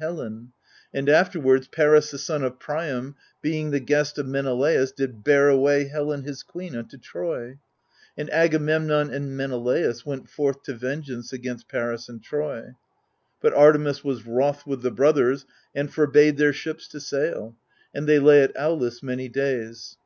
PREFACE xiii Helen : and afterwards Paris the son of Priam, being the guest of Menelaus, did bear away Helen his queen unto Troy. And Agamemnon and Menelaus went forth to vengeance against Paris and Troy. But Artemis was wroth with the brothers, and forbade their ships to sail ; and they lay at Aulis many days.